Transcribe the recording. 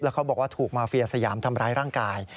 เขาบอกว่าถูกมาเฟียสยามทำร้ายร่างกาย